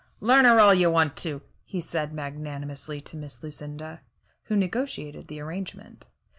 "Learn her all you want to," he said magnanimously to Miss Lucinda, who negotiated the arrangement.